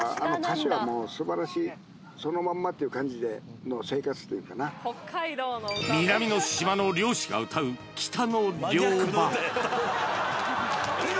まんまっていう感じの生活というかな南の島の漁師が歌う「北の漁場」